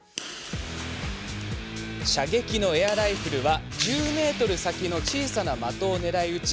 射撃のエアライフルは１０ｍ先の小さい的を狙い撃ち